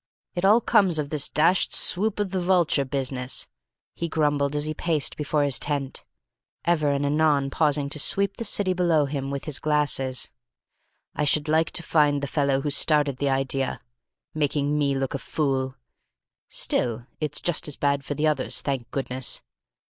"It all comes of this dashed Swoop of the Vulture business," he grumbled, as he paced before his tent, ever and anon pausing to sweep the city below him with his glasses. "I should like to find the fellow who started the idea! Making me look a fool! Still, it's just as bad for the others, thank goodness!